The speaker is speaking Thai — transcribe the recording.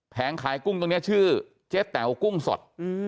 ขายกุ้งตรงนี้ชื่อเจ๊แต๋วกุ้งสด